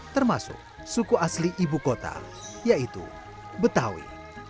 termasuk suku asli ibu kota yaitu betawi